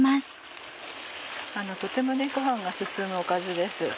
とてもご飯が進むおかずです。